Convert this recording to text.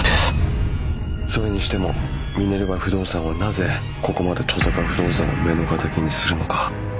それにしてもミネルヴァ不動産はなぜここまで登坂不動産を目の敵にするのか？